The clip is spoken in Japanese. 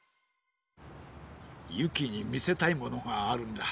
ゆきにみせたいものがあるんだ。